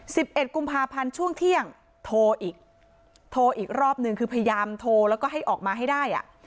สิบเอ็ดกุมภาพันธ์ช่วงเที่ยงโทรอีกโทรอีกรอบหนึ่งคือพยายามโทรแล้วก็ให้ออกมาให้ได้อ่ะ